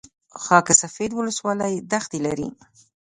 خاک سفید ولسوالۍ دښتې لري؟